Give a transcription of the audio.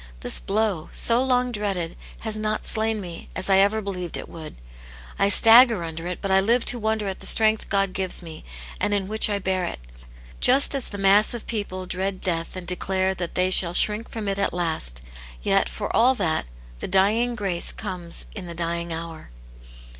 This blow, so long dreaded, has not slain me, as I ever believed it would ; I stagger under it, but I live to wonder at the strength God gives me, and in which I bear it' Just as the mass of people dread death and declare that they shall shrink from it at last : yet, for all that, the dying grace comes in the dying hour."